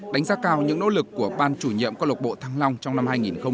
đánh giá cao những nỗ lực của ban chủ nhiệm công lạc bộ thăng long trong năm hai nghìn một mươi chín